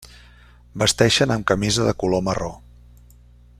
Vesteixen amb camisa de color marró.